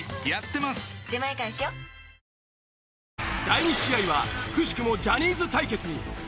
第２試合はくしくもジャニーズ対決に！